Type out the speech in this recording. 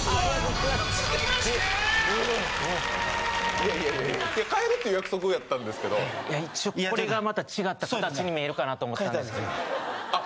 いやいや変えるって約束やったんですけどこれがまた違った形に見えるかなと思ったんですあっ